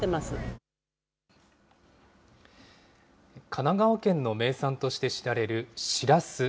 神奈川県の名産として知られるしらす。